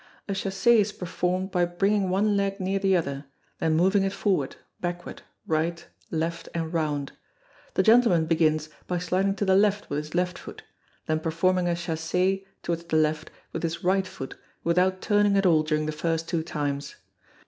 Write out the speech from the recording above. A chassez is performed by bringing one leg near the other, then moving it forward, backward, right, left, and round. The gentleman begins by sliding to the left with his left foot, then performing a chassez towards the left with his right foot without turning at all during the first two times.